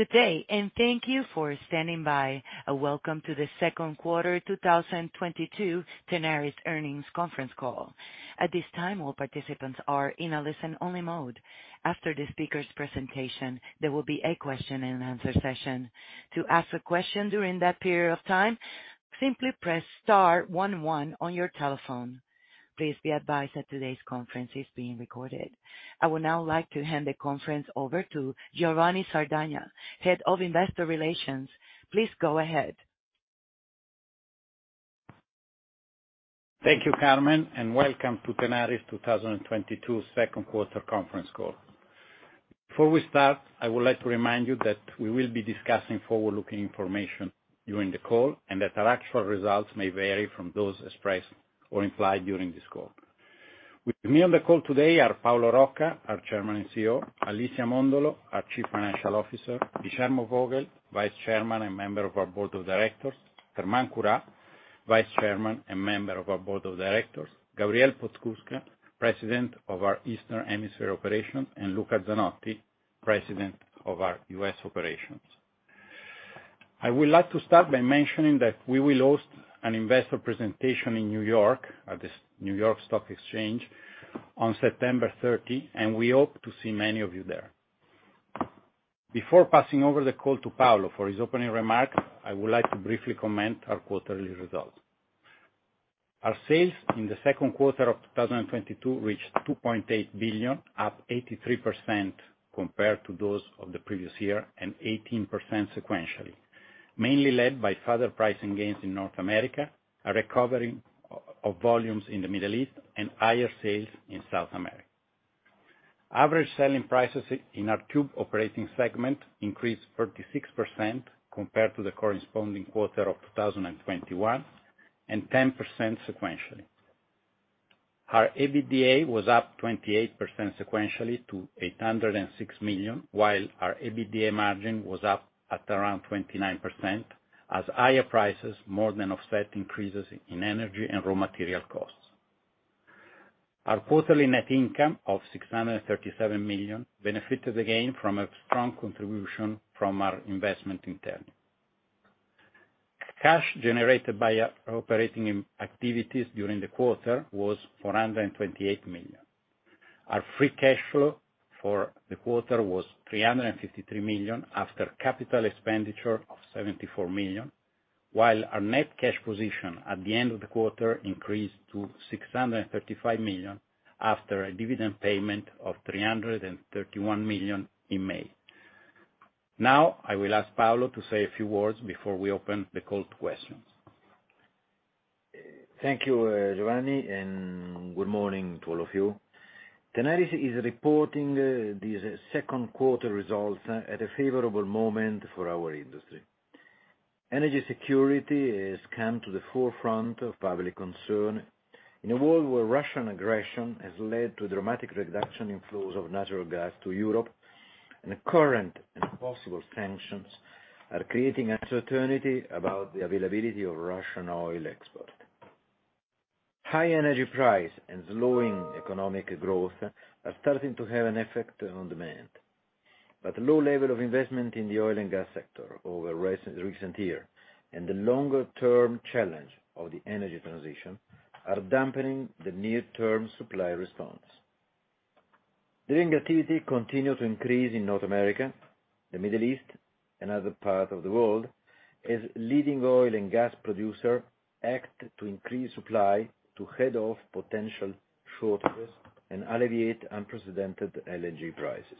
Good day, thank you for standing by. Welcome to the second quarter 2022 Tenaris earnings conference call. At this time, all participants are in a listen-only mode. After the speaker's presentation, there will be a question and answer session. To ask a question during that period of time, simply press star one one on your telephone. Please be advised that today's conference is being recorded. I would now like to hand the conference over to Giovanni Sardagna, Head of Investor Relations. Please go ahead. Thank you, Carmen, and welcome to Tenaris 2022 second quarter conference call. Before we start, I would like to remind you that we will be discussing forward-looking information during the call, and that our actual results may vary from those expressed or implied during this call. With me on the call today are Paolo Rocca, our Chairman and CEO, Alicia Mondolo, our Chief Financial Officer, Guillermo Vogel, Vice Chairman and member of our Board of Directors, Germán Curá, Vice Chairman and member of our Board of Directors, Gabriel Podskubka, President of our Eastern Hemisphere Operations, and Luca Zanotti, President of our U.S. Operations. I would like to start by mentioning that we will host an investor presentation in New York at the New York Stock Exchange on September 30, and we hope to see many of you there. Before passing over the call to Paolo for his opening remarks, I would like to briefly comment on our quarterly results. Our sales in the second quarter of 2022 reached $2.8 billion, up 83% compared to those of the previous year, and 18% sequentially, mainly led by further pricing gains in North America, a recovery of volumes in the Middle East, and higher sales in South America. Average selling prices in our tube operating segment increased 36% compared to the corresponding quarter of 2021, and 10% sequentially. Our EBITDA was up 28% sequentially to $806 million, while our EBITDA margin was up at around 29% as higher prices more than offset increases in energy and raw material costs. Our quarterly net income of $637 million benefited again from a strong contribution from our investment in Ternium. Cash generated by operating activities during the quarter was $428 million. Our free cash flow for the quarter was $353 million after CapEx of $74 million, while our net cash position at the end of the quarter increased to $635 million after a dividend payment of $331 million in May. Now, I will ask Paolo to say a few words before we open the call to questions. Thank you, Giovanni, and good morning to all of you. Tenaris is reporting these second quarter results at a favorable moment for our industry. Energy security has come to the forefront of public concern in a world where Russian aggression has led to a dramatic reduction in flows of natural gas to Europe, and current and possible sanctions are creating uncertainty about the availability of Russian oil export. High energy price and slowing economic growth are starting to have an effect on demand. Low level of investment in the oil and gas sector over recent years, and the longer term challenge of the energy transition are dampening the near term supply response. Drilling activity continue to increase in North America, the Middle East, and other parts of the world as leading oil and gas producer act to increase supply to head off potential shortages and alleviate unprecedented LNG prices.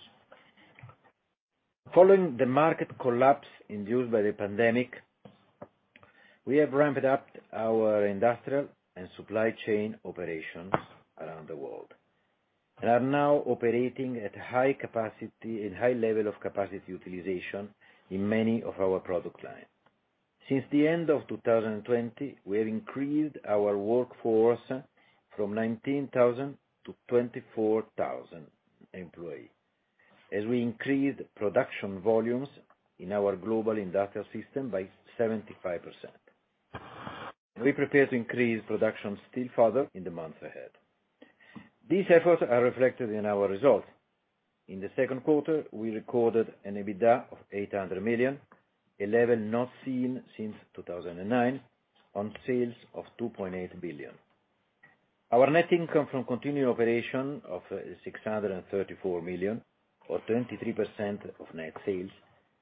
Following the market collapse induced by the pandemic, we have ramped up our industrial and supply chain operations around the world, and are now operating at high capacity and high level of capacity utilization in many of our product lines. Since the end of 2020, we have increased our workforce from 19,000-24,000 employees as we increased production volumes in our global industrial system by 75%. We prepare to increase production still further in the months ahead. These efforts are reflected in our results. In the second quarter, we recorded an EBITDA of $800 million, a level not seen since 2009, on sales of $2.8 billion. Our net income from continuing operation of $634 million, or 23% of net sales,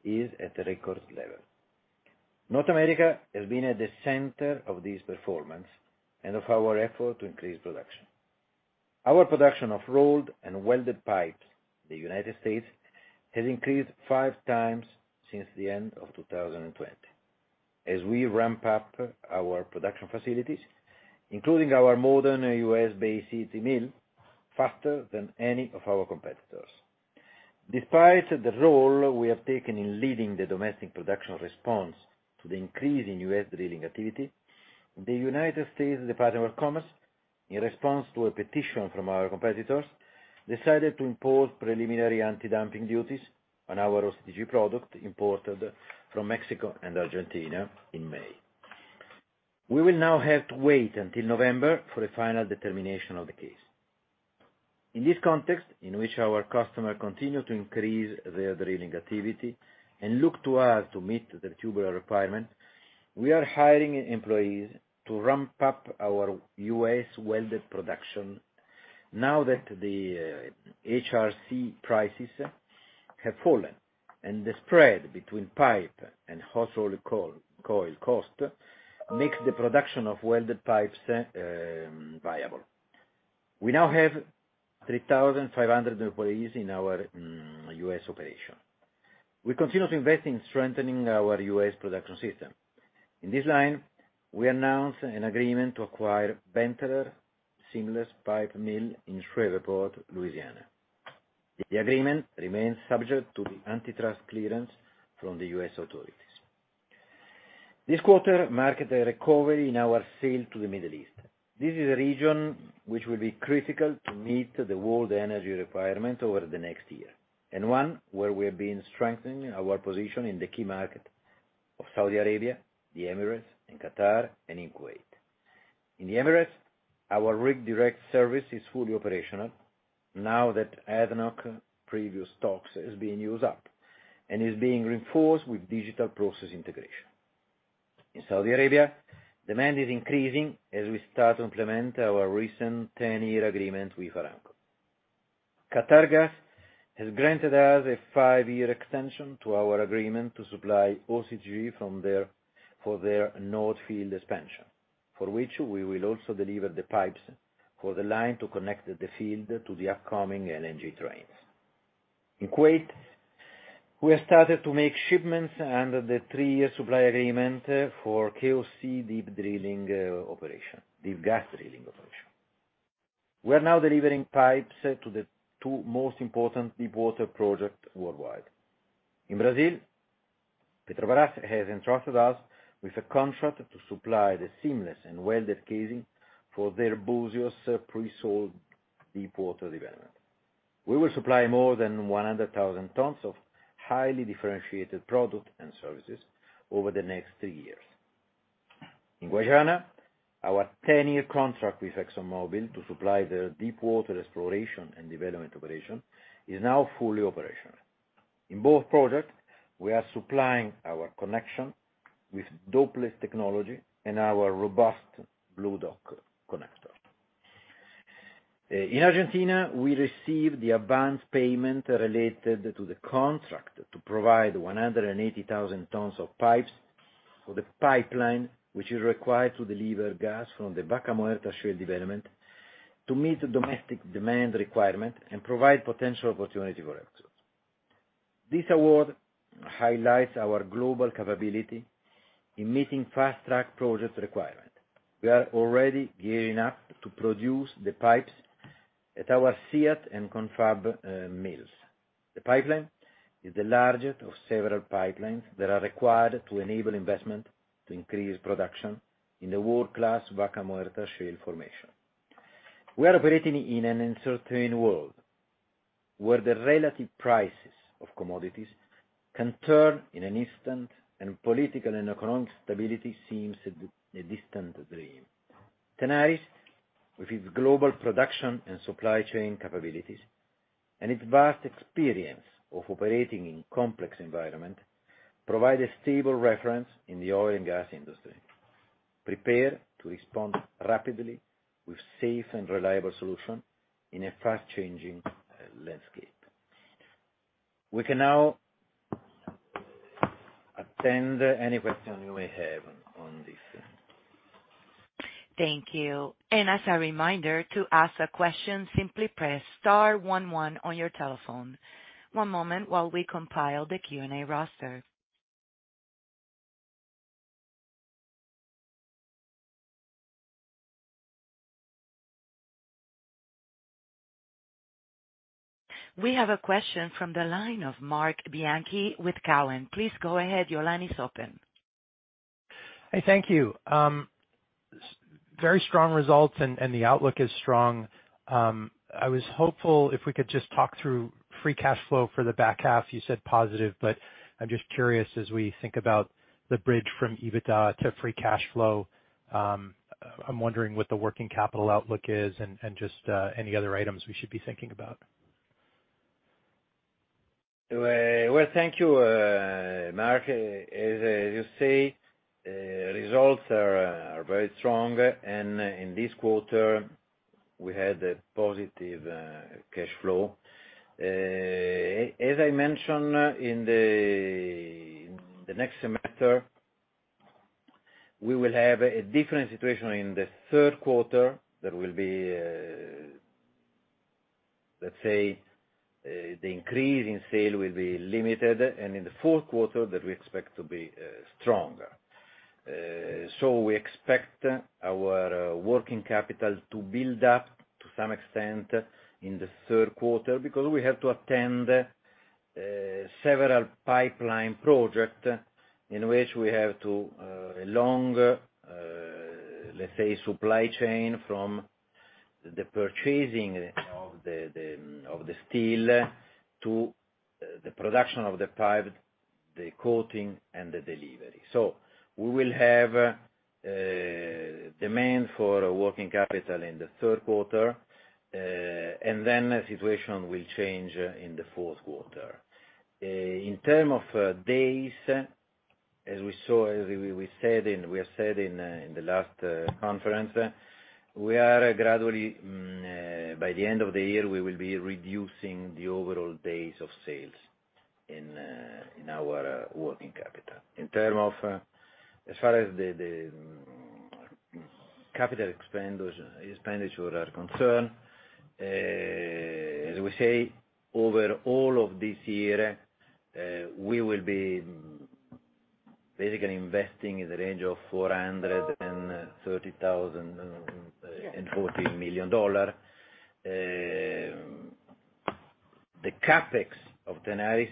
is at a record level. North America has been at the center of this performance and of our effort to increase production. Our production of rolled and welded pipes in the United States has increased 5 times since the end of 2020 as we ramp up our production facilities, including our modern U.S.-based CT mill, faster than any of our competitors. Despite the role we have taken in leading the domestic production response to the increase in U.S. drilling activity, the United States Department of Commerce, in response to a petition from our competitors, decided to impose preliminary anti-dumping duties on our OCTG product imported from Mexico and Argentina in May. We will now have to wait until November for a final determination of the case. In this context, in which our customer continue to increase their drilling activity and look to us to meet their tubular requirement, we are hiring employees to ramp up our U.S. welded production now that the HRC prices have fallen, and the spread between pipe and hot-rolled coil cost makes the production of welded pipes viable. We now have 3,500 employees in our U.S. operation. We continue to invest in strengthening our U.S. production system. In this line, we announced an agreement to acquire Benteler seamless pipe mill in Shreveport, Louisiana. The agreement remains subject to the antitrust clearance from the U.S. authorities. This quarter marked a recovery in our sale to the Middle East. This is a region which will be critical to meet the world energy requirement over the next year, and one where we have been strengthening our position in the key market of Saudi Arabia, the Emirates, in Qatar, and in Kuwait. In the Emirates, our Rig Direct service is fully operational now that ADNOC previous stocks is being used up and is being reinforced with digital process integration. In Saudi Arabia, demand is increasing as we start to implement our recent ten-year agreement with Aramco. Qatargas has granted us a five-year extension to our agreement to supply OCTG for their North Field expansion, for which we will also deliver the pipes for the line to connect the field to the upcoming LNG trains. In Kuwait, we have started to make shipments under the three-year supply agreement for KOC deep gas drilling operation. We are now delivering pipes to the two most important deepwater projects worldwide. In Brazil, Petrobras has entrusted us with a contract to supply the seamless and welded casing for their Búzios pre-salt deepwater development. We will supply more than 100,000 tons of highly differentiated product and services over the next three years. In Guyana, our ten-year contract with ExxonMobil to supply their deepwater exploration and development operation is now fully operational. In both projects, we are supplying our connection with Dopeless technology and our robust BlueDock connector. In Argentina, we received the advanced payment related to the contract to provide 180,000 tons of pipes for the pipeline, which is required to deliver gas from the Vaca Muerta shale development to meet the domestic demand requirement and provide potential opportunity for exports. This award highlights our global capability in meeting fast-track project requirement. We are already gearing up to produce the pipes at our Siat and Confab mills. The pipeline is the largest of several pipelines that are required to enable investment to increase production in the world-class Vaca Muerta shale formation. We are operating in an uncertain world, where the relative prices of commodities can turn in an instant, and political and economic stability seems a distant dream. Tenaris, with its global production and supply chain capabilities and its vast experience of operating in complex environment, provide a stable reference in the oil and gas industry, prepared to respond rapidly with safe and reliable solution in a fast-changing landscape. We can now attend any question you may have on this. Thank you. As a reminder, to ask a question, simply press star one one on your telephone. One moment while we compile the Q&A roster. We have a question from the line of Marc Bianchi with Cowen. Please go ahead. Your line is open. Hi, thank you. Very strong results and the outlook is strong. I was hopeful if we could just talk through free cash flow for the back half. You said positive, but I'm just curious, as we think about the bridge from EBITDA to free cash flow. I'm wondering what the working capital outlook is and just any other items we should be thinking about. Thank you, Marc. As you say, results are very strong. In this quarter, we had a positive cash flow. As I mentioned, in the next semester, we will have a different situation in the third quarter. There will be, let's say, the increase in sales will be limited. In the fourth quarter, that we expect to be stronger. We expect our working capital to build up to some extent in the third quarter because we have to attend several pipeline project in which we have to longer, let's say, supply chain from the purchasing of the steel to the production of the pipe, the coating and the delivery. We will have demand for working capital in the third quarter. The situation will change in the fourth quarter. In terms of days, as we have said in the last conference, we are gradually by the end of the year, we will be reducing the overall days of sales in our working capital. In terms of, as far as the capital expenditure are concerned, as we say, over all of this year, we will be basically investing in the range of $430,000-$14 million. The CapEx of Tenaris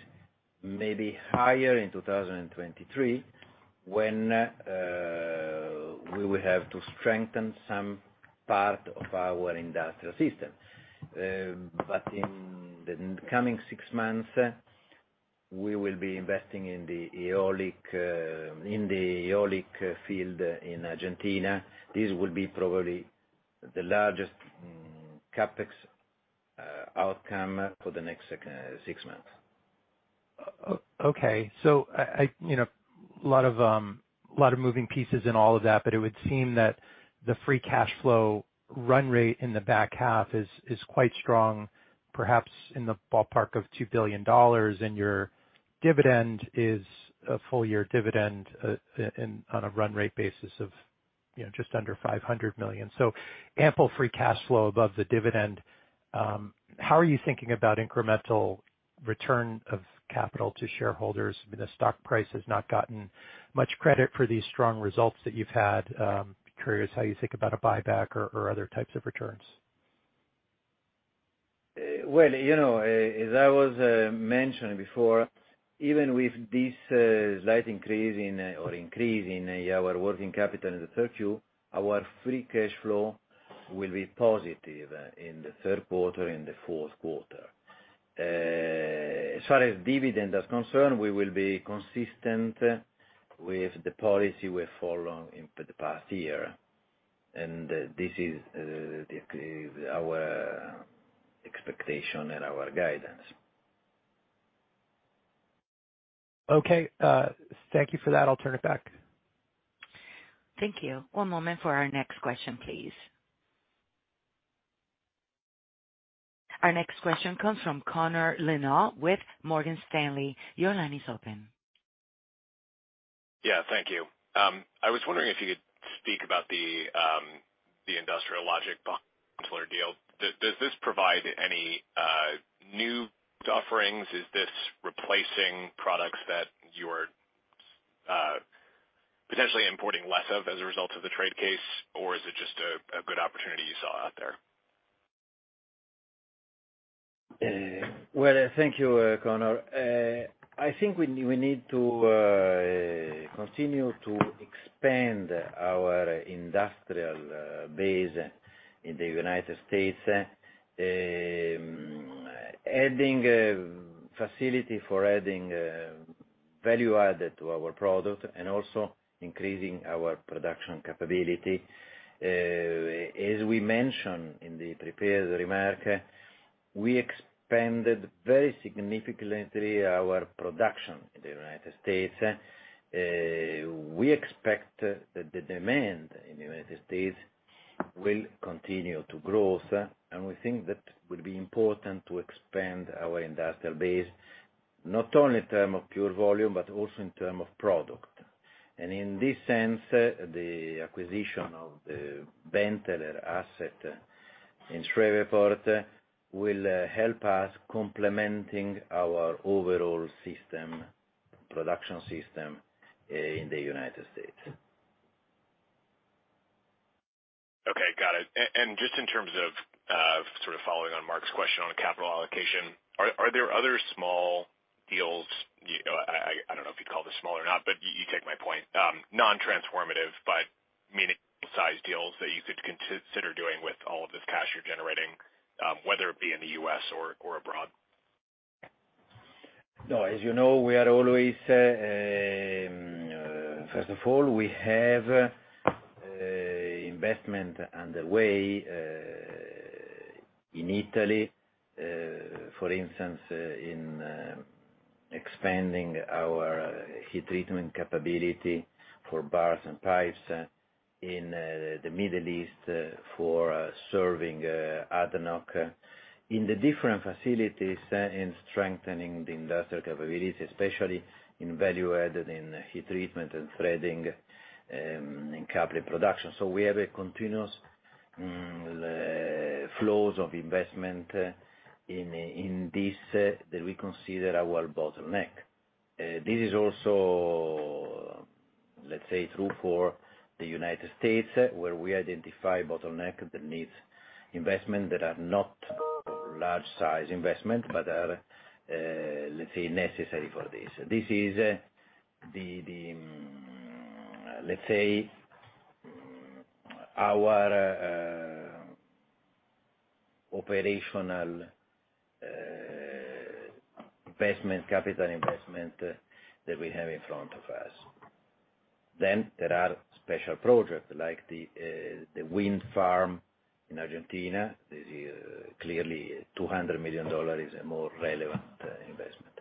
may be higher in 2023 when we will have to strengthen some part of our industrial system. In the coming six months, we will be investing in the Eólica field in Argentina. This will be probably the largest CapEx outcome for the next six months. Okay. You know, lot of moving pieces in all of that, but it would seem that the free cash flow run rate in the back half is quite strong, perhaps in the ballpark of $2 billion, and your dividend is a full year dividend, on a run rate basis of, you know, just under $500 million. Ample free cash flow above the dividend. How are you thinking about incremental return of capital to shareholders? I mean, the stock price has not gotten much credit for these strong results that you've had. Curious how you think about a buyback or other types of returns. Well, you know, as I was mentioning before, even with this slight increase in our working capital in the third Q, our free cash flow will be positive in the third quarter and the fourth quarter. As far as dividend is concerned, we will be consistent with the policy we followed in the past year, and this is our expectation and our guidance. Okay, thank you for that. I'll turn it back. Thank you. One moment for our next question, please. Our next question comes from Connor Lynagh with Morgan Stanley. Your line is open. Yeah, thank you. I was wondering if you could speak about the industrial logic behind the Benteler deal. Does this provide any new offerings? Is this replacing products that you are potentially importing less of as a result of the trade case? Or is it just a good opportunity you saw out there? Well, thank you, Connor. I think we need to continue to expand our industrial base in the United States. Adding a facility for value add to our product and also increasing our production capability. As we mentioned in the prepared remark, we expanded very significantly our production in the United States. We expect that the demand in the United States will continue to grow, and we think that will be important to expand our industrial base, not only in term of pure volume, but also in term of product. In this sense, the acquisition of the Benteler asset in Shreveport will help us complementing our overall system, production system, in the United States. Okay, got it. Just in terms of sort of following on Marc's question on capital allocation, are there other small deals, you know, I don't know if you'd call this small or not, but you take my point, non-transformative but meaningful size deals that you could consider doing with all of this cash you're generating, whether it be in the U.S. or abroad? No, as you know, we are always first of all we have investment underway in Italy for instance in expanding our heat treatment capability for bars and pipes in the Middle East for serving ADNOC. In the different facilities in strengthening the industrial capabilities especially in value add in heat treatment and threading in capillary production. We have a continuous flows of investment in this that we consider our bottleneck. This is also let's say true for the United States where we identify bottleneck that needs investment that are not large size investment but are let's say necessary for this. This is the let's say our operational capital investment that we have in front of us. There are special projects like the wind farm in Argentina. This is clearly $200 million is a more relevant investment.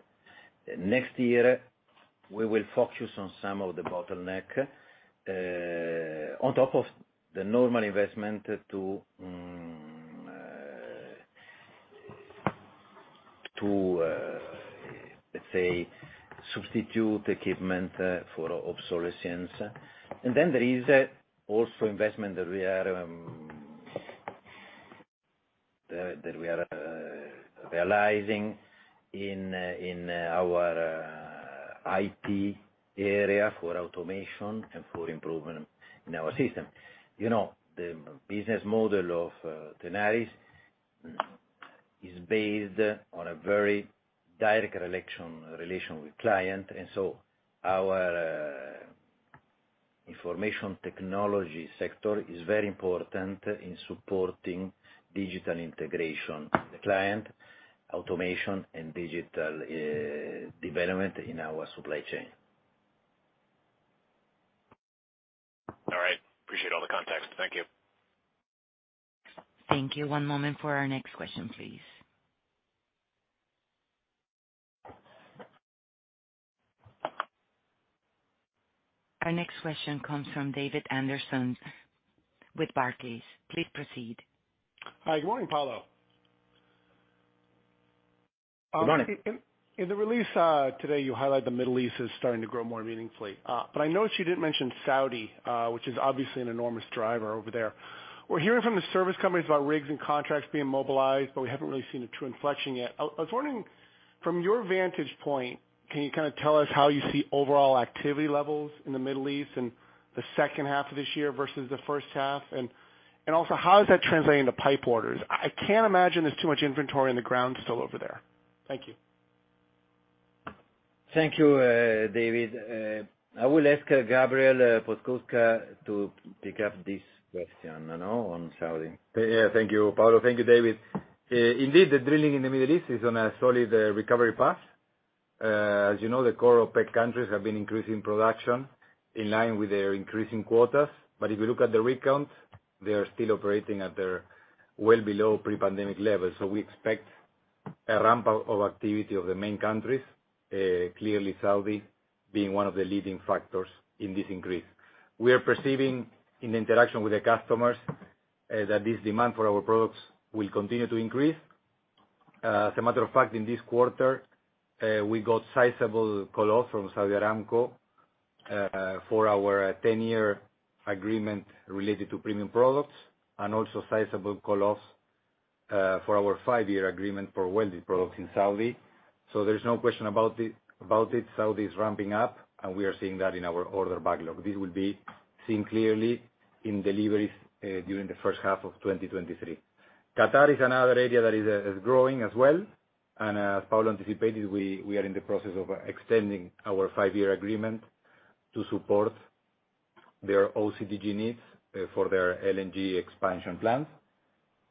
Next year, we will focus on some of the bottleneck on top of the normal investment to let's say substitute equipment for obsolescence. Then there is also investment that we are realizing in our IT area for automation and for improvement in our system. You know, the business model of Tenaris is based on a very direct relation with client. Our information technology sector is very important in supporting digital integration with the client, automation, and digital development in our supply chain. All right. Appreciate all the context. Thank you. Thank you. One moment for our next question, please. Our next question comes from David Anderson with Barclays. Please proceed. Hi. Good morning, Paolo. Good morning. In the release today, you highlight the Middle East is starting to grow more meaningfully. But I noticed you didn't mention Saudi, which is obviously an enormous driver over there. We're hearing from the service companies about rigs and contracts being mobilized, but we haven't really seen a true inflection yet. I was wondering from your vantage point, can you kind of tell us how you see overall activity levels in the Middle East in the second half of this year versus the first half? Also how is that translating to pipe orders? I can't imagine there's too much inventory in the ground still over there. Thank you. Thank you, David. I will ask Gabriel Podskubka to pick up this question. I know I'm shouting. Yeah. Thank you, Paolo. Thank you, David. Indeed, the drilling in the Middle East is on a solid recovery path. As you know, the core OPEC countries have been increasing production in line with their increasing quotas. If you look at the rig count, they are still operating well below pre-pandemic levels. We expect a ramp up of activity of the main countries, clearly Saudi being one of the leading factors in this increase. We are perceiving in interaction with the customers that this demand for our products will continue to increase. As a matter of fact, in this quarter, we got sizable call out from Saudi Aramco for our ten-year agreement related to premium products, and also sizable call outs for our five-year agreement for welded products in Saudi. There's no question about it. Saudi is ramping up, and we are seeing that in our order backlog. This will be seen clearly in deliveries during the first half of 2023. Qatar is another area that is growing as well. Paolo anticipated, we are in the process of extending our five-year agreement to support their OCTG needs for their LNG expansion plans.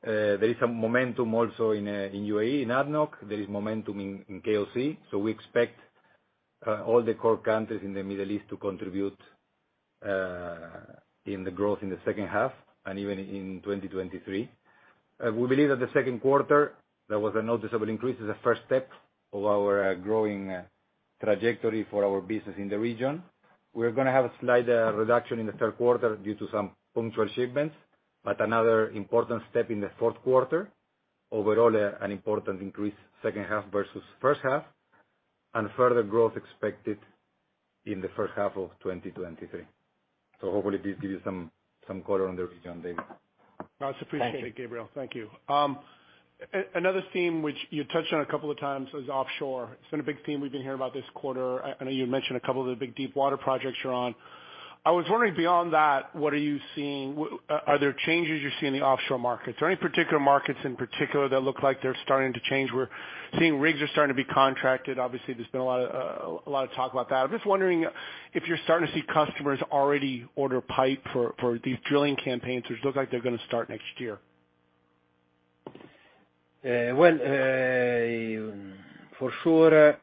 There is some momentum also in UAE, in ADNOC. There is momentum in KOC. We expect all the core countries in the Middle East to contribute in the growth in the second half and even in 2023. We believe that the second quarter, there was a noticeable increase as a first step of our growing trajectory for our business in the region. We're gonna have a slight reduction in the third quarter due to some punctual shipments, but another important step in the fourth quarter. Overall, an important increase second half versus first half, and further growth expected in the first half of 2023. Hopefully this gives you some color on the region, David. That's appreciated, Gabriel. Thank you. Thank you. Another theme which you touched on a couple of times is offshore. It's been a big theme we've been hearing about this quarter. I know you mentioned a couple of the big deepwater projects you're on. I was wondering beyond that, what are you seeing? Are there changes you see in the offshore markets? Are there any particular markets in particular that look like they're starting to change, where we're seeing rigs are starting to be contracted? Obviously, there's been a lot of talk about that. I'm just wondering if you're starting to see customers already order pipe for these drilling campaigns, which look like they're gonna start next year. Well, for sure,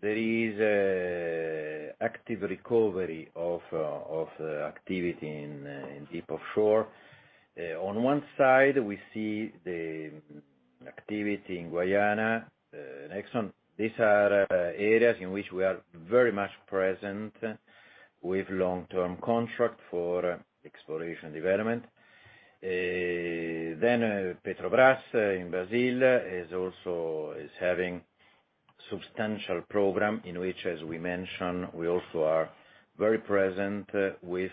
there is an active recovery of activity in deep offshore. On one side, we see the activity in Guyana, ExxonMobil. These are areas in which we are very much present with long-term contract for exploration development. Petrobras in Brazil is also having substantial program in which, as we mentioned, we also are very present with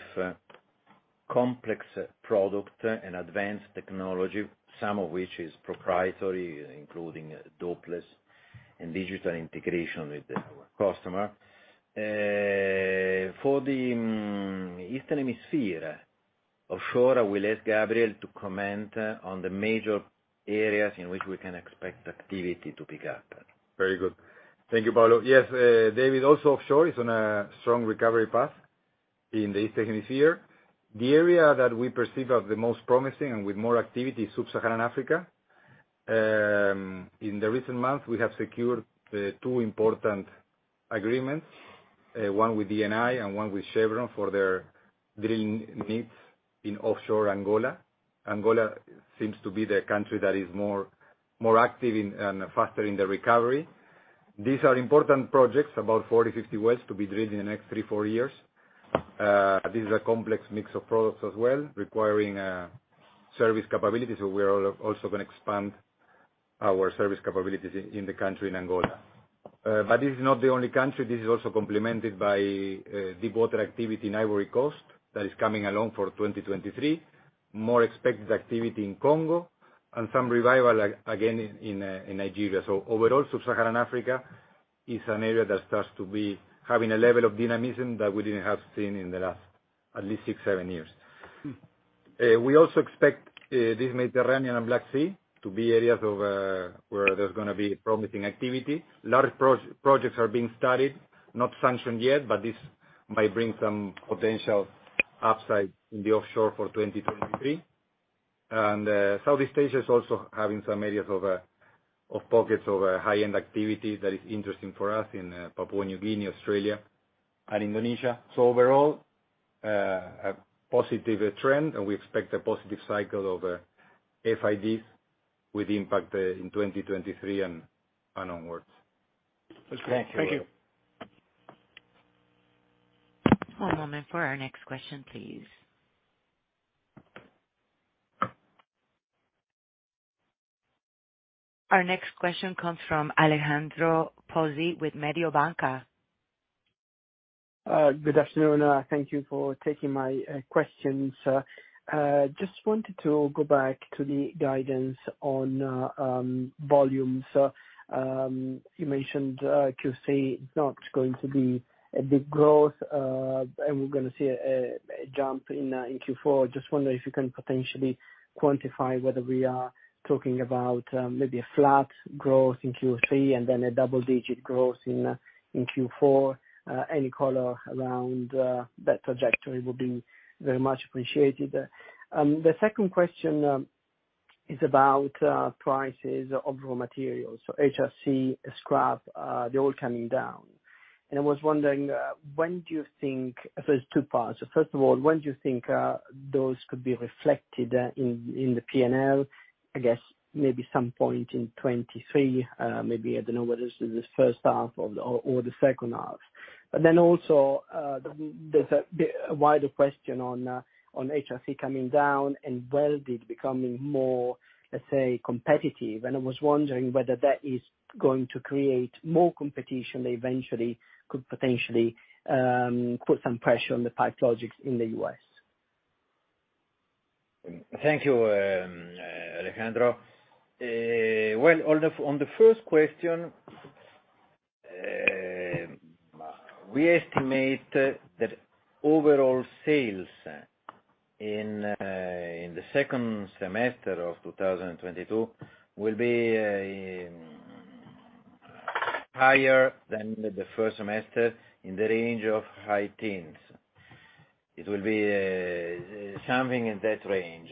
complex product and advanced technology, some of which is proprietary, including Dopeless and digital integration with our customer. For the Eastern Hemisphere offshore, I will ask Gabriel to comment on the major areas in which we can expect activity to pick up. Very good. Thank you, Paolo. Yes, David, also offshore is on a strong recovery path in the second half this year. The area that we perceive as the most promising and with more activity is Sub-Saharan Africa. In the recent months, we have secured two important agreements, one with Eni and one with Chevron for their drilling needs in offshore Angola. Angola seems to be the country that is more active in, and faster in the recovery. These are important projects, about 40-50 wells to be drilled in the next 3-4 years. This is a complex mix of products as well, requiring service capabilities. We are also gonna expand our service capabilities in the country, in Angola. But this is not the only country. This is also complemented by deep water activity in Ivory Coast that is coming along for 2023. More expected activity in Congo and some revival again in Nigeria. Overall, Sub-Saharan Africa is an area that starts to be having a level of dynamism that we didn't have seen in the last at least six, seven years. We also expect this Mediterranean and Black Sea to be areas where there's gonna be promising activity. Large projects are being studied, not sanctioned yet, but this might bring some potential upside in the offshore for 2023. South East Asia is also having some areas of pockets of high-end activity that is interesting for us in Papua New Guinea, Australia, and Indonesia. Overall, a positive trend, and we expect a positive cycle of FIDs with impact in 2023 and onwards. That's great. Thank you. One moment for our next question, please. Our next question comes from Alessandro Pozzi with Mediobanca. Good afternoon. Thank you for taking my questions. Just wanted to go back to the guidance on volumes. You mentioned OCTG is not going to be a big growth, and we're gonna see a jump in Q4. Just wondering if you can potentially quantify whether we are talking about maybe a flat growth in Q3 and then a double-digit growth in Q4. Any color around that trajectory would be very much appreciated. The second question is about prices of raw materials. So HRC, scrap, they're all coming down. I was wondering when do you think those could be reflected in the P&L. So there's two parts. So first of all, when do you think those could be reflected in the P&L? I guess maybe some point in 2023, maybe. I don't know whether it's the first half or the second half. There's a wider question on HRC coming down and welded becoming more, let's say, competitive. I was wondering whether that is going to create more competition that eventually could potentially put some pressure on the PipeLogix in the U.S.. Thank you, Alessandro. Well, on the first question, we estimate that overall sales in the second semester of 2022 will be higher than the first semester in the range of high teens. It will be something in that range,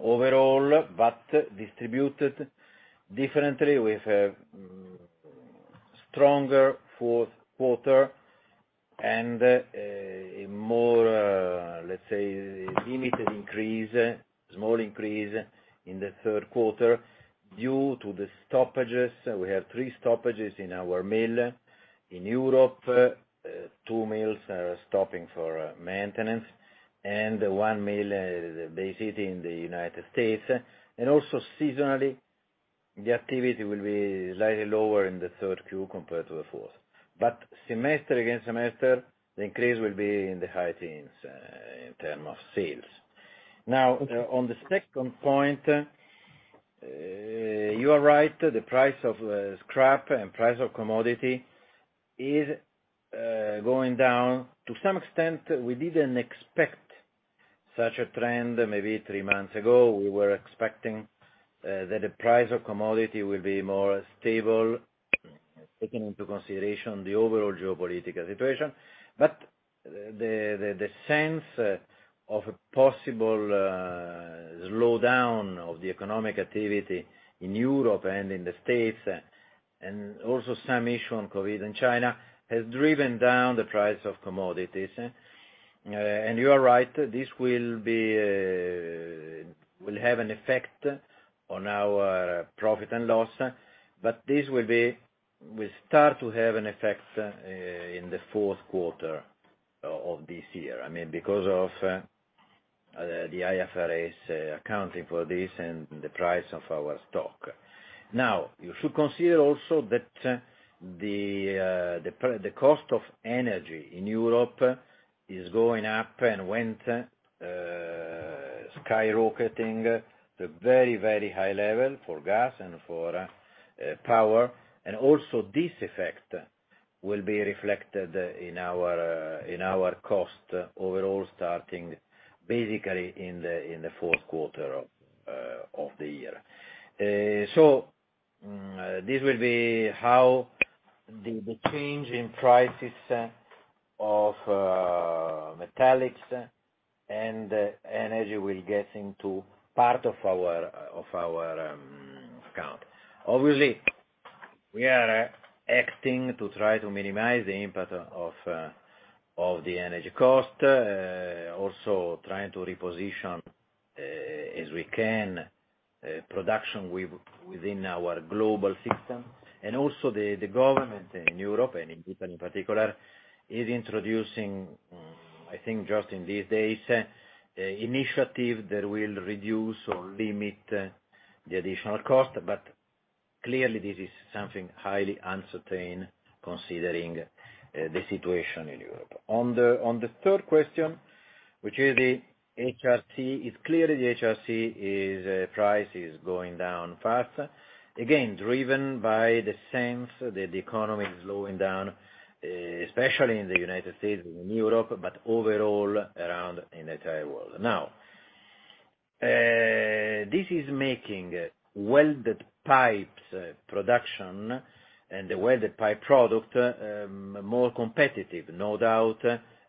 overall, but distributed differently with stronger fourth quarter and a more, let's say, limited increase, small increase in the third quarter due to the stoppages. We have three stoppages in our mill. In Europe, two mills are stopping for maintenance and one mill based in the United States. Seasonally, the activity will be slightly lower in the third Q compared to the fourth. Semester against semester, the increase will be in the high teens in terms of sales. Now, on the second point, you are right, the price of scrap and price of commodity is going down. To some extent, we didn't expect such a trend maybe three months ago. We were expecting that the price of commodity will be more stable, taking into consideration the overall geopolitical situation. The sense of a possible slowdown of the economic activity in Europe and in the States, and also some issue on COVID in China, has driven down the price of commodities. You are right, this will have an effect on our profit and loss, but this will start to have an effect in the fourth quarter of this year. I mean, because of the IFRS accounting for this and the price of our stock. Now, you should consider also that the cost of energy in Europe is going up, and with winter skyrocketing to very, very high levels for gas and for power. This effect will be reflected in our cost overall starting basically in the fourth quarter of the year. This will be how the change in prices of metallics and energy will get into part of our costs. Obviously, we are acting to try to minimize the impact of the energy cost, also trying to reposition, as we can, production within our global system. The government in Europe, and in Italy in particular, is introducing, I think just in these days, initiative that will reduce or limit the additional cost. Clearly this is something highly uncertain considering the situation in Europe. On the third question, which is the HRC, it's clear the HRC price is going down fast, again, driven by the sense that the economy is slowing down, especially in the United States and in Europe, but overall around the entire world. Now, this is making welded pipes production and the welded pipe product more competitive, no doubt,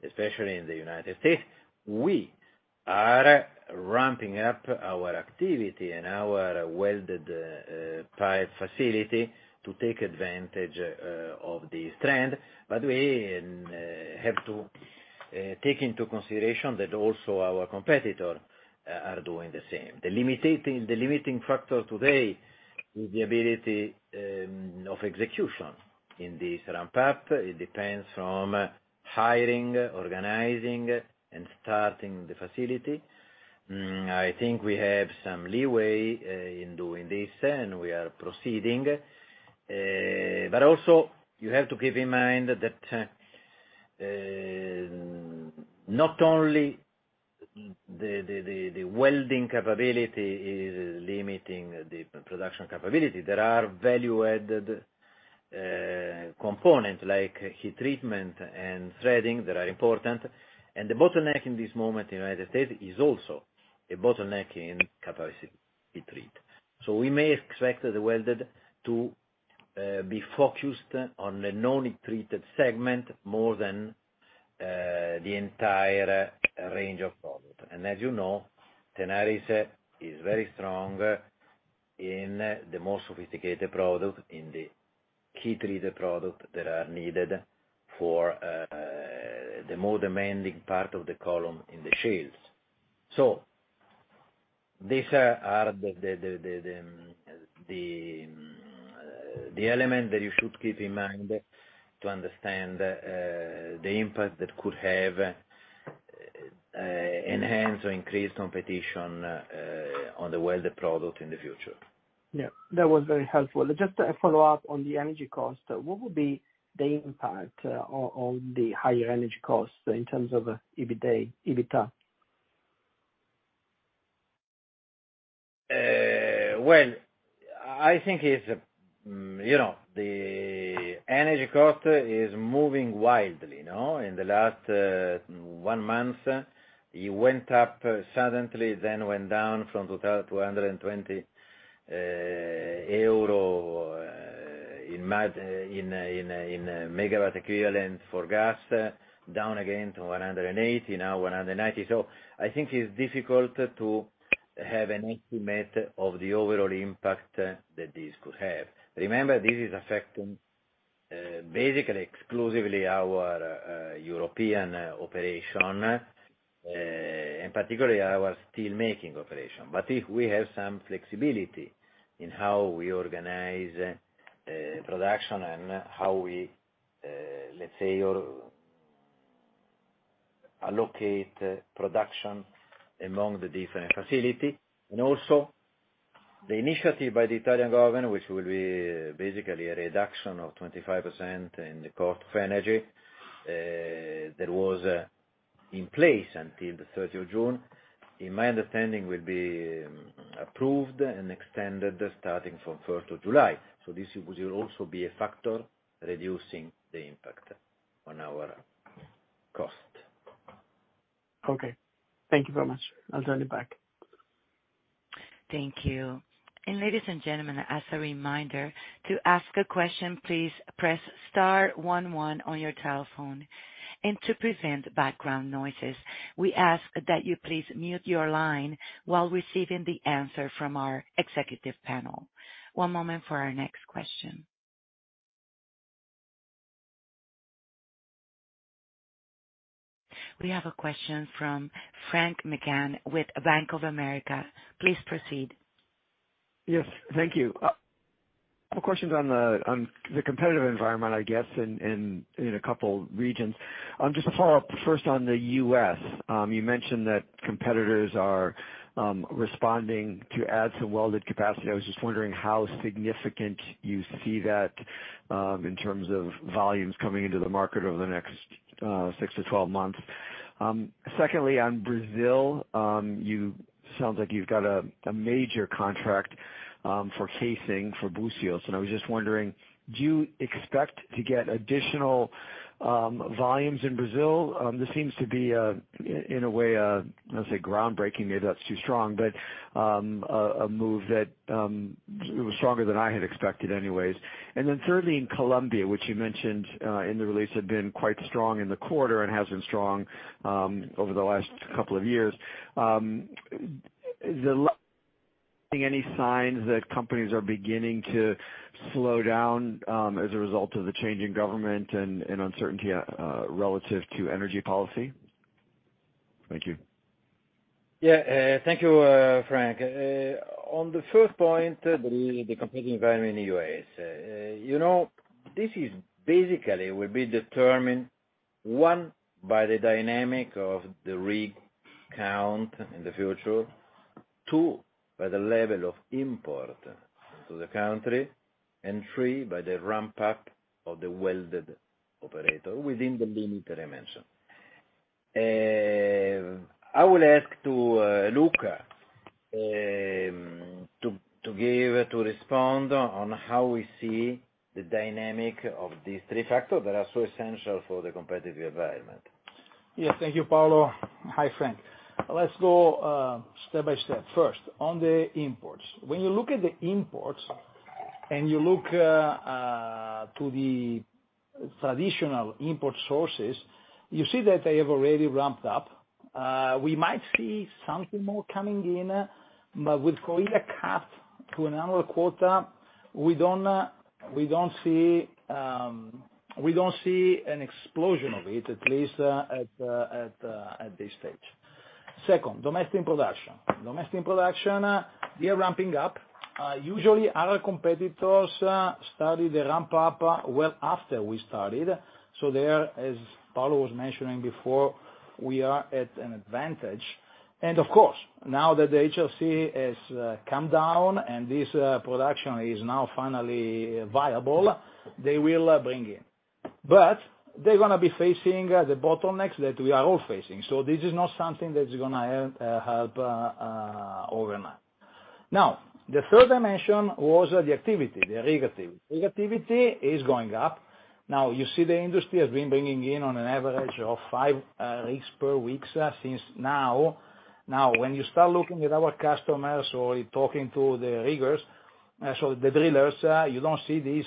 especially in the United States. We are ramping up our activity in our welded pipe facility to take advantage of this trend, but we have to take into consideration that also our competitor are doing the same. The limiting factor today is the ability of execution in this ramp up. It depends from hiring, organizing, and starting the facility. I think we have some leeway in doing this, and we are proceeding. You have to keep in mind that not only the welding capability is limiting the production capability. There are value-added components like heat treatment and threading that are important. The bottleneck in this moment in United States is also a bottleneck in heat-treat capacity. We may expect the welded to be focused on the non-heat treated segment more than the entire range of product. As you know, Tenaris is very strong in the more sophisticated product, in the heat treated product that are needed for the more demanding part of the completion in the shales. These are the element that you should keep in mind to understand the impact that could have enhance or increase competition on the welded product in the future. Yeah, that was very helpful. Just a follow-up on the energy cost. What would be the impact on the higher energy cost in terms of EBITDA? Well, I think it's, you know, the energy cost is moving wildly, you know. In the last one month, it went up suddenly, then went down from total 220 euro in megawatt equivalent for gas, down again to 180, now 190. I think it's difficult to have an estimate of the overall impact that this could have. Remember, this is affecting basically exclusively our European operation and particularly our steel making operation. If we have some flexibility in how we organize production and how we, let's say, allocate production among the different facility. Also the initiative by the Italian government, which will be basically a reduction of 25% in the cost of energy, that was in place until the 30th of June, in my understanding, will be approved and extended starting from 1st of July. This will also be a factor reducing the impact on our cost. Okay, thank you very much. I'll turn it back. Thank you. Ladies and gentlemen, as a reminder, to ask a question, please press star one one on your telephone. To prevent background noises, we ask that you please mute your line while receiving the answer from our executive panel. One moment for our next question. We have a question from Frank McGann with Bank of America. Please proceed. Yes, thank you. A couple questions on the competitive environment, I guess, in a couple regions. Just to follow up first on the U.S., you mentioned that competitors are responding to add some welded capacity. I was just wondering how significant you see that in terms of volumes coming into the market over the next 6-12 months. Secondly, on Brazil, it sounds like you've got a major contract for casing for Búzios. I was just wondering, do you expect to get additional volumes in Brazil? This seems to be in a way, let's say groundbreaking, maybe that's too strong, but a move that it was stronger than I had expected anyways. Thirdly, in Colombia, which you mentioned in the release, had been quite strong in the quarter and has been strong over the last couple of years. Is there any signs that companies are beginning to slow down as a result of the change in government and uncertainty relative to energy policy? Thank you. Yeah, thank you, Frank. On the first point, the competitive environment in the U.S.. You know, this is basically will be determined, one, by the dynamic of the rig count in the future. Two, by the level of imports to the country, and three, by the ramp up of the welded operations within the limit that I mentioned. I will ask Luca to respond on how we see the dynamic of these three factors that are so essential for the competitive environment. Yes, thank you, Paolo. Hi, Frank. Let's go step-by-step. First, on the imports. When you look at the imports and you look to the traditional import sources, you see that they have already ramped up. We might see something more coming in, but with Korea capped to an annual quota, we don't see an explosion of it, at least at this stage. Second, domestic production. Domestic production, we are ramping up. Usually our competitors start the ramp up well after we started. So there, as Paolo was mentioning before, we are at an advantage. Of course, now that the HRC has come down and this production is now finally viable, they will bring in. But they're gonna be facing the bottlenecks that we are all facing. This is not something that is gonna help overnight. Now, the third dimension was the activity, the rig activity. Rig activity is going up. Now, you see the industry has been bringing in on an average of 5 rigs per week since now. Now, when you start looking at our customers or talking to the riggers, so the drillers, you don't see this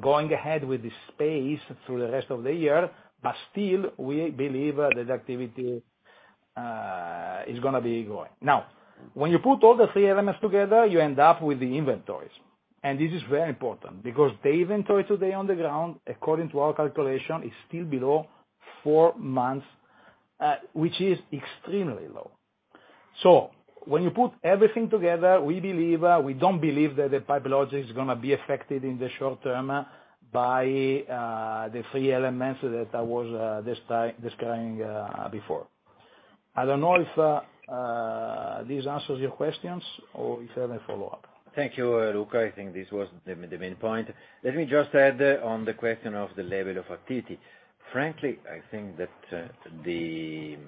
going ahead with the pace through the rest of the year, but still, we believe that activity is gonna be going. Now, when you put all the three elements together, you end up with the inventories. This is very important because the inventory today on the ground, according to our calculation, is still below four months, which is extremely low. When you put everything together, we believe, we don't believe that the PipeLogix is gonna be affected in the short term by the three elements that I was describing before. I don't know if this answers your questions or if you have any follow-up. Thank you, Luca. I think this was the main point. Let me just add on the question of the level of activity. Frankly, I think that the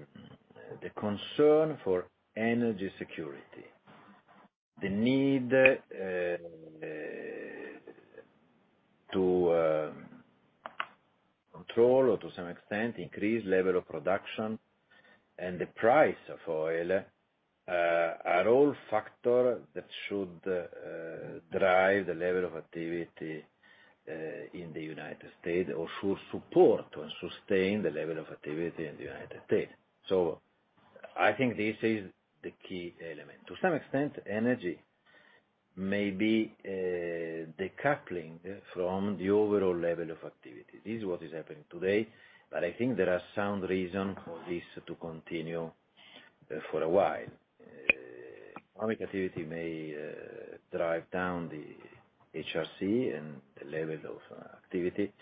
concern for energy security, the need to control or to some extent increase level of production and the price of oil are all factor that should drive the level of activity in the United States or should support and sustain the level of activity in the United States. I think this is the key element. To some extent, energy may be decoupling from the overall level of activity. This is what is happening today, but I think there are sound reason for this to continue for a while. Economic activity may drive down the HRC and the level of activity,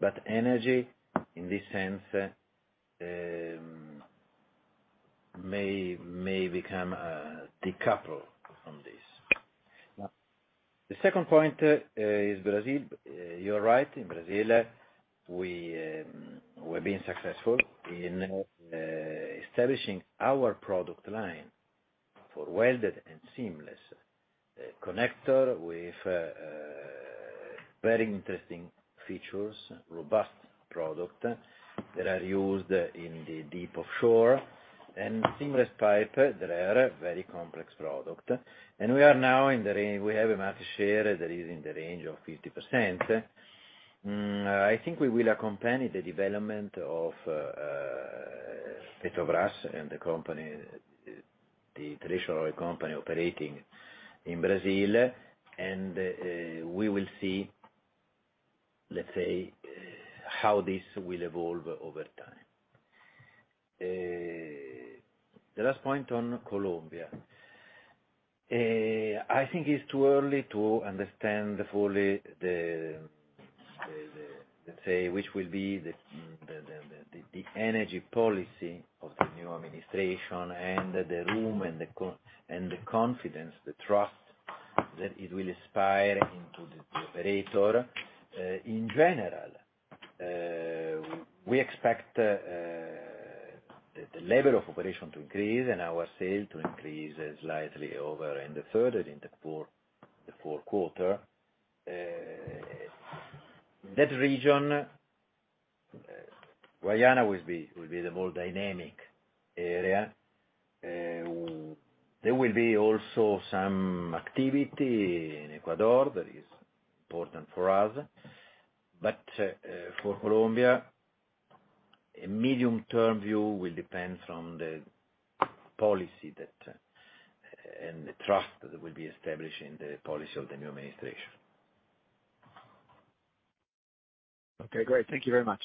but energy, in this sense, may become decoupled from this. The second point is Brazil. You're right. In Brazil, we're being successful in establishing our product line for welded and seamless connector with very interesting features, robust product that are used in the deep offshore, and seamless pipe that are very complex product. We are now in the range. We have a market share that is in the range of 50%. I think we will accompany the development of Petrobras and the company, the traditional oil company operating in Brazil, and we will see, let's say, how this will evolve over time. The last point on Colombia. I think it's too early to understand fully the, let's say, which will be the energy policy of the new administration and the rhythm and the confidence, the trust that it will inspire into the operator. In general, we expect the level of operation to increase and our sales to increase slightly in the third and in the fourth quarter. That region, Guyana will be the more dynamic area. There will be also some activity in Ecuador that is important for us. For Colombia, a medium-term view will depend from the policy and the trust that will be established in the policy of the new administration. Okay, great. Thank you very much.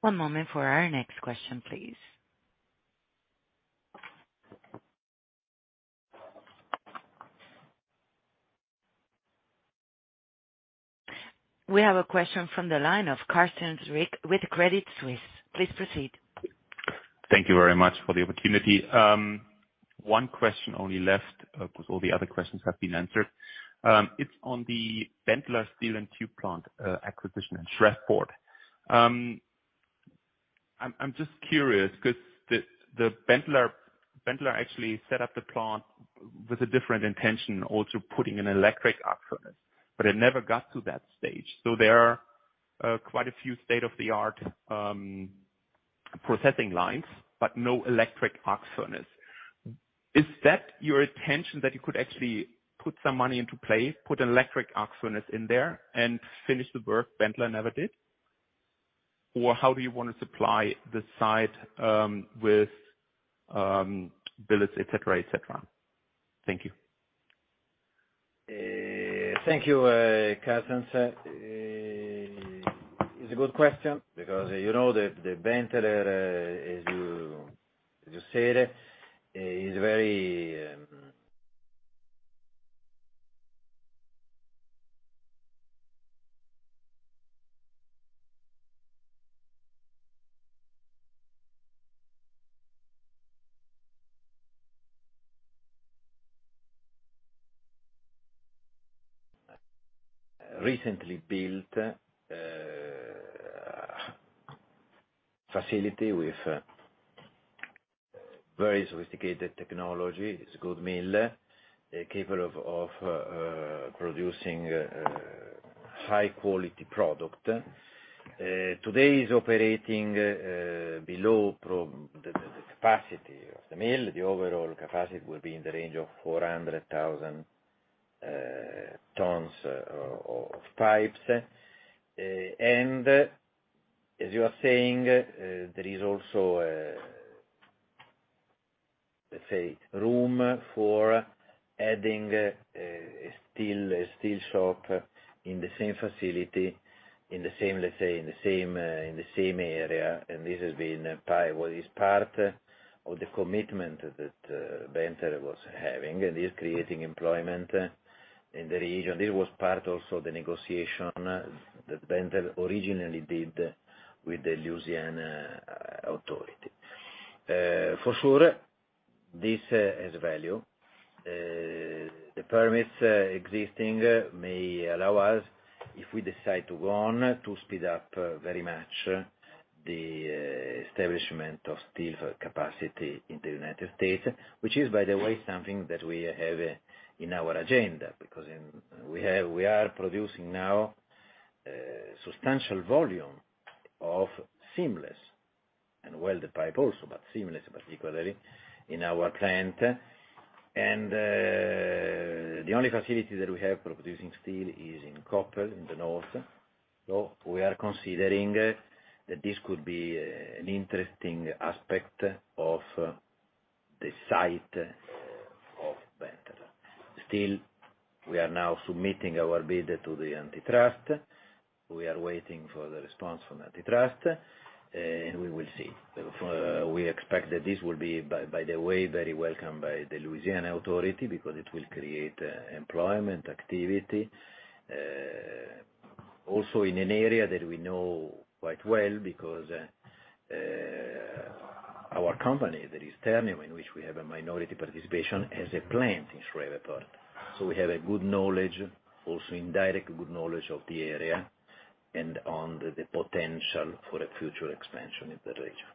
One moment for our next question, please. We have a question from the line of Carsten Riek with Credit Suisse. Please proceed. Thank you very much for the opportunity. One question only left, 'cause all the other questions have been answered. It's on the Benteler Steel & Tube plant, acquisition in Shreveport. I'm just curious 'cause the Benteler actually set up the plant with a different intention, also putting an electric arc furnace, but it never got to that stage. So there are quite a few state-of-the-art processing lines, but no electric arc furnace. Is that your intention that you could actually put some money into play, put an electric arc furnace in there and finish the work Benteler never did? Or how do you wanna supply the site, with billets, et cetera, et cetera? Thank you. Thank you, Carsten. It's a good question because, you know, the Benteler, as you said, is very recently built facility with very sophisticated technology. It's a good mill, capable of producing high quality product. Today it's operating below the capacity of the mill. The overall capacity will be in the range of 400,000 tons of pipes. And as you are saying, there is also, let's say room for adding a steel shop in the same facility, in the same area. This has been part of the commitment that Benteler was having, and is creating employment in the region. This was part also the negotiation that Benteler originally did with the Louisiana authority. For sure, this has value. The permits existing may allow us, if we decide to go on, to speed up very much the establishment of steel capacity in the United States, which is, by the way, something that we have in our agenda because we are producing now substantial volume of seamless and welded pipe also, but seamless particularly in our plant. The only facility that we have for producing steel is in Koppel, in the north. We are considering that this could be an interesting aspect of the site of Benteler. Still, we are now submitting our bid to the antitrust. We are waiting for the response from antitrust, and we will see. We expect that this will be, by the way, very welcomed by the Louisiana Authority because it will create employment activity also in an area that we know quite well because our company, that is Ternium, in which we have a minority participation, has a plant in Shreveport. We have a good knowledge, also indirect good knowledge of the area and on the potential for a future expansion in that region.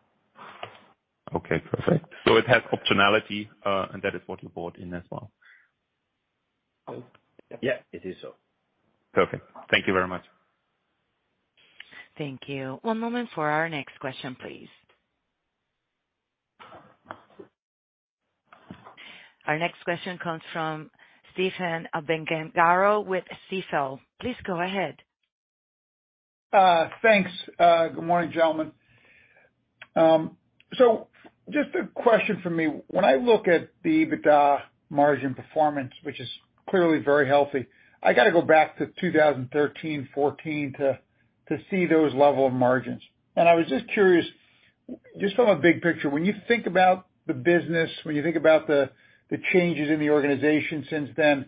Okay, perfect. It has optionality, and that is what you bought in as well? Yeah, it is so. Perfect. Thank you very much. Thank you. One moment for our next question, please. Our next question comes from Stephen Gengaro with Stifel. Please go ahead. Thanks. Good morning, gentlemen. Just a question from me. When I look at the EBITDA margin performance, which is clearly very healthy, I gotta go back to 2013, 2014 to see those levels of margins. I was just curious, just from a big picture, when you think about the business, when you think about the changes in the organization since then,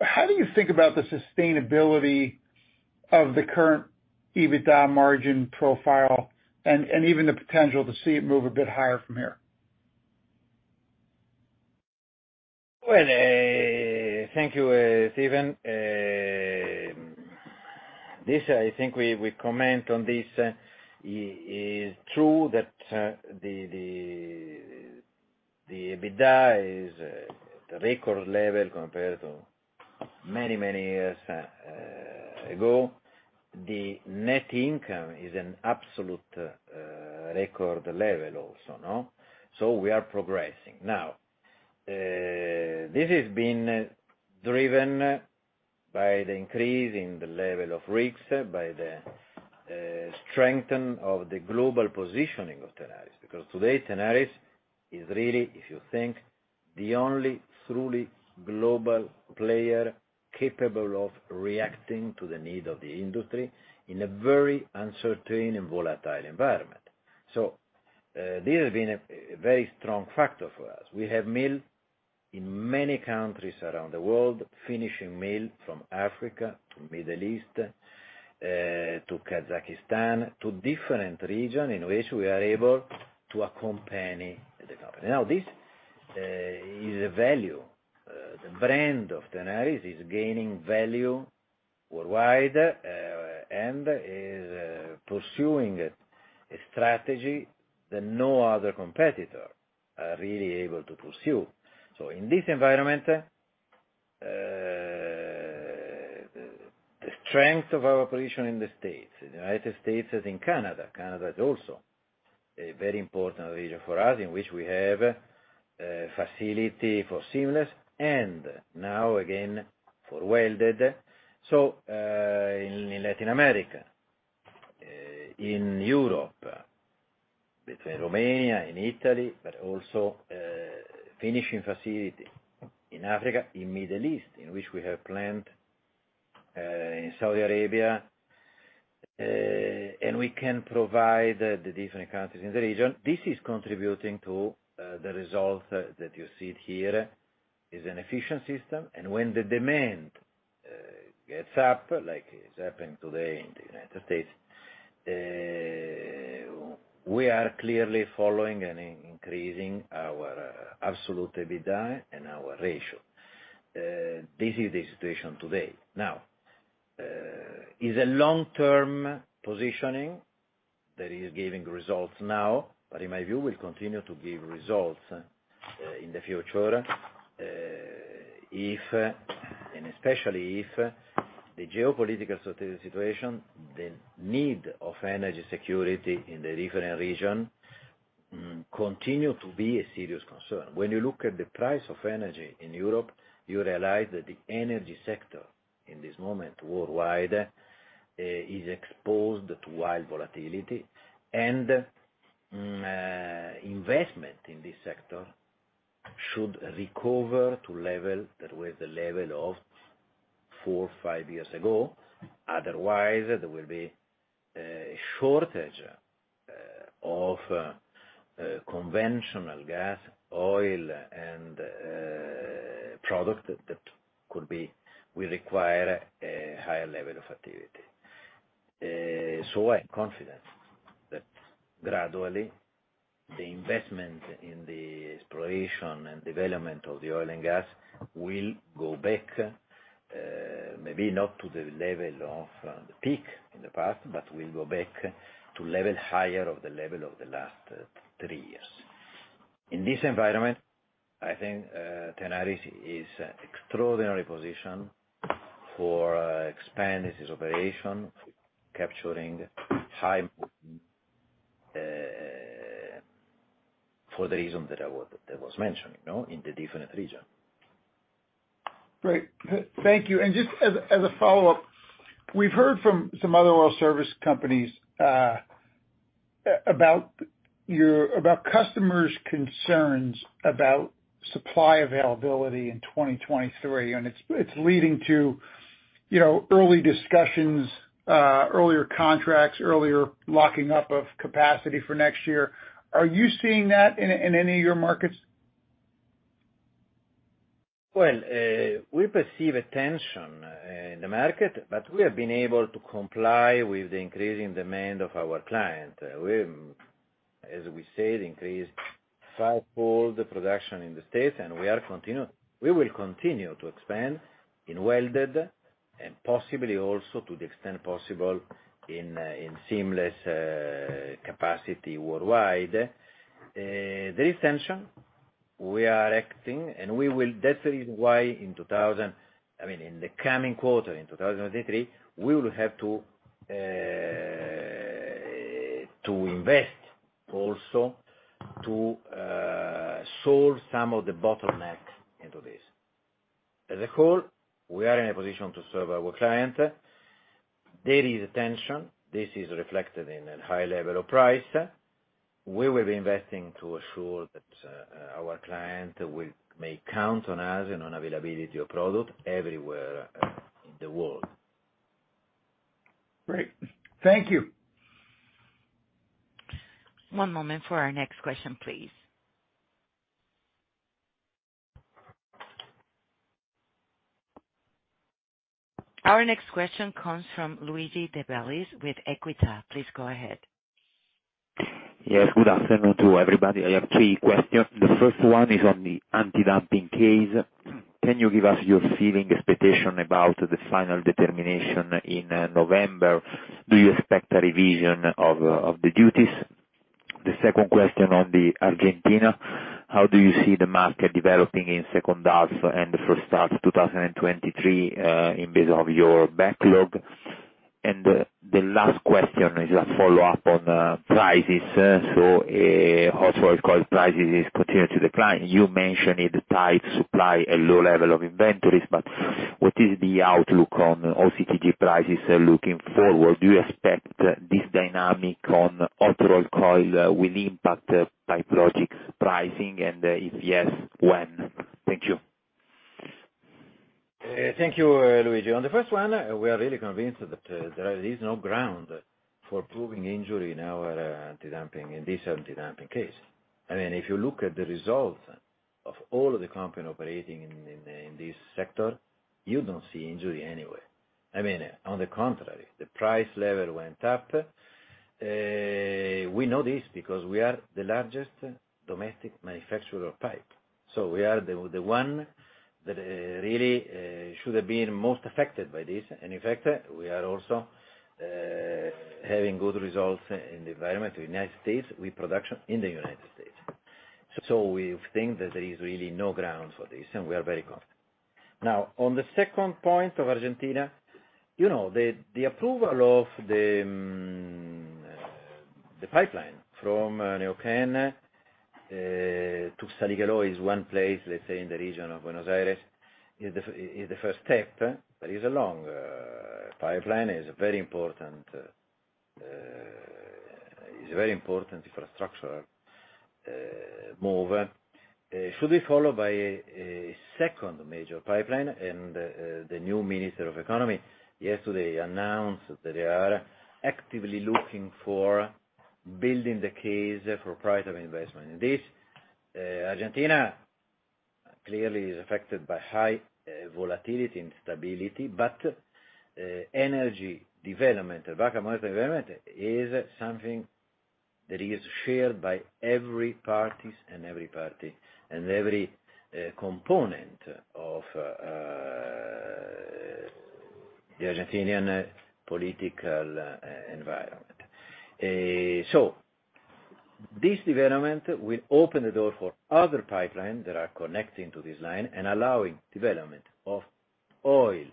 how do you think about the sustainability of the current EBITDA margin profile and even the potential to see it move a bit higher from here. Well, thank you, Stephen. This, I think we comment on this. It is true that the EBITDA is record level compared to many years ago. The net income is an absolute record level also, no? We are progressing. Now, this has been driven by the increase in the level of rigs, by the strengthening of the global positioning of Tenaris, because today Tenaris is really, if you think, the only truly global player capable of reacting to the need of the industry in a very uncertain and volatile environment. This has been a very strong factor for us. We have mills in many countries around the world, finishing mills from Africa to Middle East, to Kazakhstan, to different regions in which we are able to accompany the company. Now this is a value. The brand of Tenaris is gaining value worldwide, and is pursuing a strategy that no other competitor are really able to pursue. In this environment, the strength of our position in the States, in the United States, as in Canada. Canada is also a very important region for us in which we have a facility for seamless and now again for welded. In Latin America, in Europe, between Romania and Italy, but also finishing facility in Africa, in Middle East, in which we have plant in Saudi Arabia, and we can provide the different countries in the region. This is contributing to the results that you see here, is an efficient system. When the demand gets up, like it's happened today in the United States, we are clearly following and increasing our absolute EBITDA and our ratio. This is the situation today. Now is a long-term positioning that is giving results now, but in my view, will continue to give results in the future, if, and especially if, the geopolitical situation, the need of energy security in the different region, continue to be a serious concern. When you look at the price of energy in Europe, you realize that the energy sector in this moment worldwide is exposed to wild volatility. Investment in this sector should recover to level that was the level of four, five years ago. Otherwise, there will be a shortage of conventional gas, oil, and product that could be will require a higher level of activity. I am confident that gradually the investment in the exploration and development of the oil and gas will go back, maybe not to the level of the peak in the past, but will go back to level higher of the level of the last three years. In this environment, I think, Tenaris is extraordinarily positioned for expanding its operation, capturing high margin, for the reason that that was mentioned, you know, in the different region. Great. Thank you. Just as a follow-up, we've heard from some other oil service companies about customers' concerns about supply availability in 2023, and it's leading to, you know, early discussions, earlier contracts, earlier locking up of capacity for next year. Are you seeing that in any of your markets? Well, we perceive a tension in the market, but we have been able to comply with the increasing demand of our client. We, as we said, increased fivefold the production in the States, and we will continue to expand in welded and possibly also to the extent possible in seamless capacity worldwide. There is tension. We are acting, and we will. That's the reason why in the coming quarter, in 2023, we will have to invest also to solve some of the bottlenecks into this. As a whole, we are in a position to serve our client. There is a tension. This is reflected in a high level of price. We will be investing to assure that our client may count on us and on availability of product everywhere in the world. Great. Thank you. One moment for our next question, please. Our next question comes from Luigi De Bellis with Equita. Please go ahead. Yes, good afternoon to everybody. I have three questions. The first one is on the antidumping case. Can you give us your feeling, expectation about the final determination in November? Do you expect a revision of the duties? The second question on Argentina, how do you see the market developing in second half and the first half of 2023, based on your backlog? And the last question is a follow-up on prices. Hot-Rolled Coil prices continue to decline. You mentioned the tight supply and low level of inventories, but what is the outlook on OCTG prices looking forward? Do you expect this dynamic on Hot-Rolled Coil will impact the Pipe Logix pricing? And if yes, when? Thank you. Thank you, Luigi. On the first one, we are really convinced that there is no ground for proving injury in our antidumping, in this antidumping case. I mean, if you look at the results of all of the companies operating in this sector, you don't see injury anywhere. I mean, on the contrary, the price level went up. We know this because we are the largest domestic manufacturer of pipe, so we are the one that really should have been most affected by this. In fact, we are also having good results in the environment of the United States, with production in the United States. We think that there is really no grounds for this, and we are very confident. Now, on the second point of Argentina, you know, the approval of the pipeline from Neuquén to San Miguel, one place, let's say, in the region of Buenos Aires, is the first step, but it is a long pipeline. It is very important, a very important infrastructure move. It should be followed by a second major pipeline, and the new Minister of Economy yesterday announced that they are actively looking for building the case for private investment in this. Argentina clearly is affected by high volatility and instability, but energy development, Vaca Muerta development, is something that is shared by every party and every component of the Argentinian political environment. This development will open the door for other pipelines that are connecting to this line and allowing development of oil,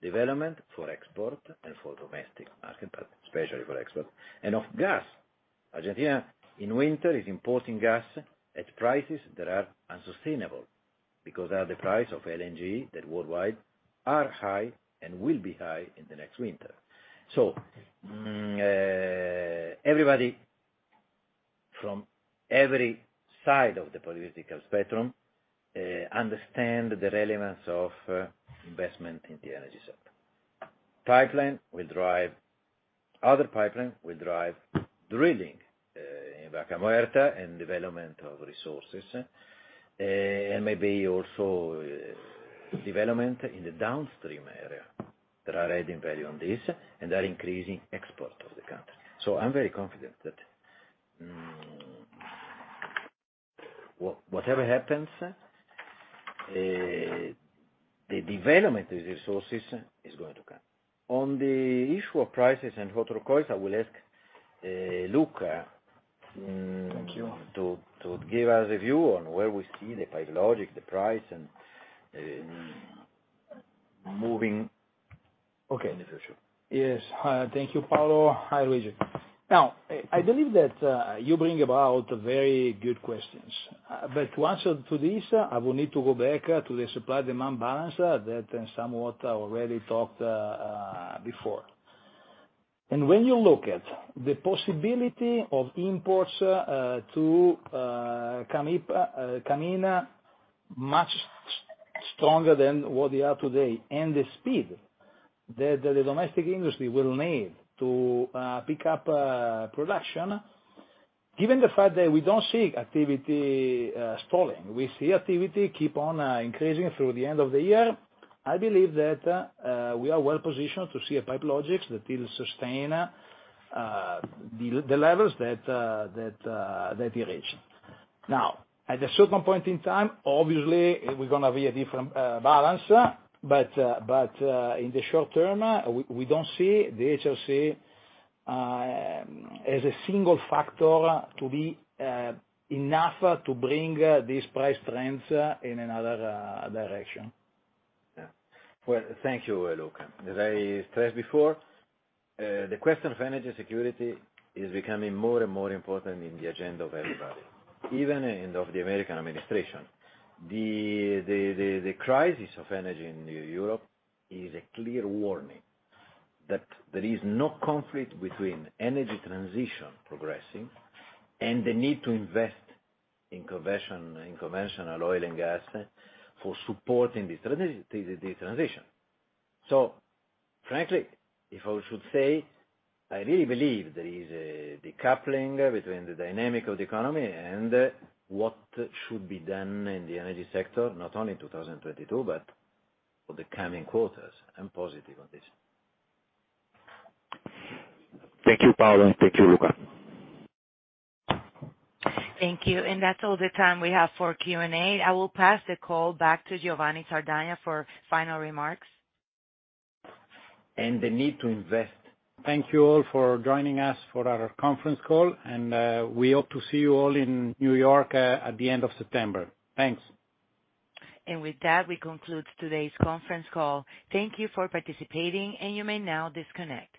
development for export and for domestic market, but especially for export, and of gas. Argentina in winter is importing gas at prices that are unsustainable because of the price of LNG that worldwide are high and will be high in the next winter. Everybody from every side of the political spectrum understand the relevance of investment in the energy sector. Other pipeline will drive drilling in Vaca Muerta and development of resources, and maybe also development in the downstream area that are adding value on this, and they're increasing export of the country. I'm very confident that whatever happens, the development of the resources is going to come. On the issue of prices and hot-rolled coils, I will ask, Luca Thank you. to give us a view on where we see the Pipe Logix, the price and moving. Okay. in the future. Yes. Thank you, Paolo. Hi, Luigi. Now, I believe that you bring about very good questions. To answer to this, I will need to go back to the supply/demand balance that somewhat I already talked before. When you look at the possibility of imports to CAMYPA, Camina, much stronger than what they are today, and the speed that the domestic industry will need to pick up production, given the fact that we don't see activity stalling, we see activity keep on increasing through the end of the year, I believe that we are well positioned to see a Pipe Logix that will sustain the levels that it reached. Now, at a certain point in time, obviously there's gonna be a different balance, but in the short term, we don't see the HRC as a single factor to be enough to bring this price trends in another direction. Yeah. Well, thank you, Luca. As I stressed before, the question of energy security is becoming more and more important in the agenda of everybody, even in the American administration. The crisis of energy in Europe is a clear warning that there is no conflict between energy transition progressing and the need to invest in conventional oil and gas for supporting this transition. Frankly, if I should say, I really believe there is a decoupling between the dynamic of the economy and what should be done in the energy sector, not only in 2022, but for the coming quarters. I'm positive on this. Thank you, Paolo. Thank you, Luca. Thank you. That's all the time we have for Q&A. I will pass the call back to Giovanni Sardagna for final remarks. The need to invest. Thank you all for joining us for our conference call, and we hope to see you all in New York at the end of September. Thanks. With that, we conclude today's conference call. Thank you for participating, and you may now disconnect.